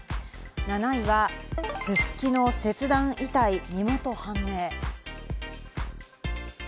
７位は、すすきの切断遺体、身元判明。